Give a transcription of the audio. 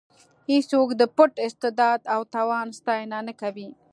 هېڅوک د پټ استعداد او توان ستاینه نه کوي.